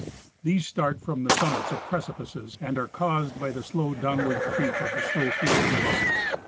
These start from the summits of precipices, and are caused by the slow downward creep of the snow fields above.